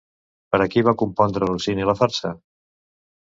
Per a qui va compondre Rossini la farsa?